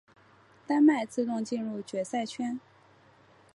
丹麦自动进入决赛圈。